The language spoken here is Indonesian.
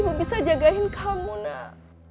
kamu bisa jagain kamu nak